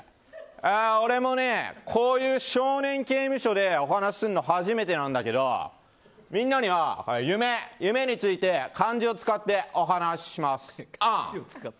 俺もね、こういう少年刑務所でお話しするの初めてなんだけどみんなには夢について漢字を使ってお話します。